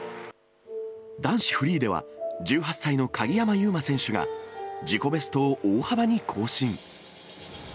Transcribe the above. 男子フリーでは、１８歳の鍵山優真選手が自己ベストを大幅に更新。